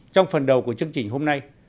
trong phần đầu của chương trình hôm nay